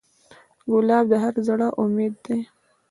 ګلاب د هر زړه امید ده.